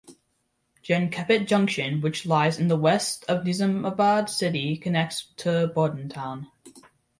Jankampet Junction which lies in the west of Nizamabad city connects to Bodhan town.